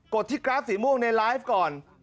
ดที่กราฟสีม่วงในไลฟ์ก่อน